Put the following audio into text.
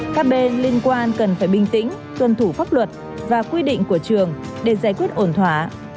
các bên liên quan cần phải bình tĩnh tuân thủ pháp luật và quy định của trường để giải quyết ổn thỏa